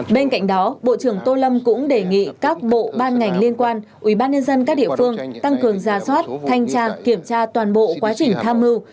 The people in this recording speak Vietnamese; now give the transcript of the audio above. bên cạnh đó bộ trưởng tô lâm cũng đề nghị các bộ ban ngành liên quan ubnd các địa phương tăng cường ra soát thanh tra kiểm tra toàn bộ quá trình tham mưu